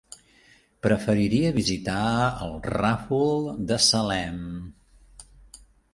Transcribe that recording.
Preferiria visitar el Ràfol de Salem.